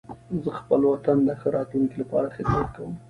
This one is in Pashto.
زه خپل وطن د ښه راتلونکي لپاره خدمت کوم.